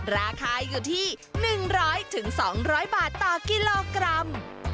ราคาอยู่ที่๑๐๐๒๐๐บาทต่อกิโลกรัม